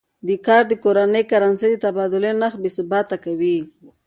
دا کار د کورنۍ کرنسۍ د تبادلې نرخ بې ثباته کوي.